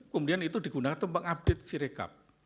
kemudian itu digunakan untuk mengupdate sirikap